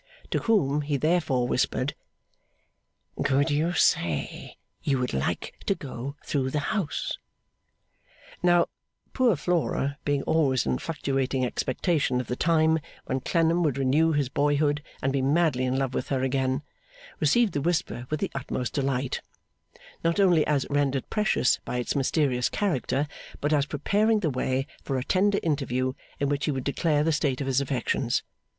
To whom he therefore whispered, 'Could you say you would like to go through the house?' Now, poor Flora, being always in fluctuating expectation of the time when Clennam would renew his boyhood and be madly in love with her again, received the whisper with the utmost delight; not only as rendered precious by its mysterious character, but as preparing the way for a tender interview in which he would declare the state of his affections.